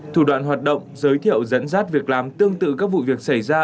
thủ đoạn hoạt động giới thiệu dẫn dắt việc làm tương tự các vụ việc xảy ra